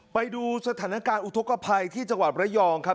ไปดูสถานการณ์อุทธกภัยที่จังหวัดระยองครับ